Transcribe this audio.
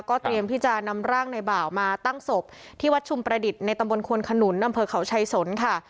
เตรียมที่จะนำร่างในบ่าวมาตั้งศพที่วัดชุมประดิษฐ์ในตำบลควนขนุนอำเภอเขาชัยสนค่ะ